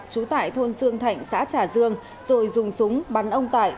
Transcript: chú tại thôn dương thạnh xã trà dương rồi dùng súng bắn ông tại